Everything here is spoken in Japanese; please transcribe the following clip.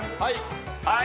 はい。